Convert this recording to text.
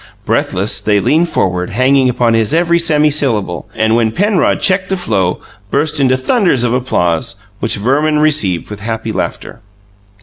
Breathless, they leaned forward, hanging upon his every semi syllable, and, when Penrod checked the flow, burst into thunders of applause, which Verman received with happy laughter.